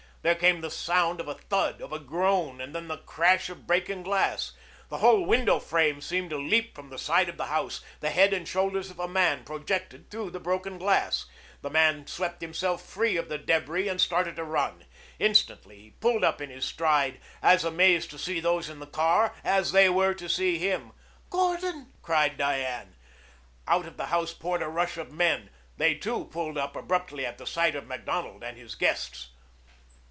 There came the sound of a thud, of a groan, and then the crash of breaking glass. The whole window frame seemed to leap from the side of the house. The head and shoulders of a man projected through the broken glass. The man swept himself free of the débris and started to run. Instantly he pulled up in his stride, as amazed to see those in the car as they were to see him. "Gordon!" cried Diane. Out of the house poured a rush of men. They too pulled up abruptly at sight of Macdonald and his guests.